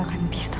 gak akan bisa